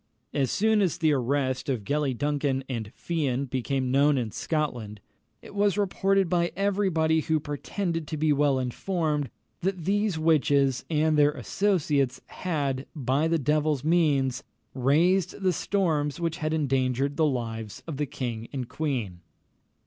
As soon as the arrest of Gellie Duncan and Fian became known in Scotland, it was reported by every body who pretended to be well informed, that these witches and their associates had, by the devil's means, raised the storms which had endangered the lives of the king and queen.